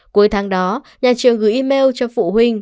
cuối tháng đó nhà trường gửi email cho phụ huynh